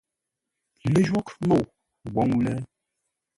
Lə́jwôghʼ môu wǒ ŋuu lə.